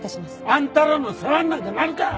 あんたらの世話になんかなるか！